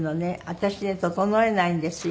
私ね整えないんですよ。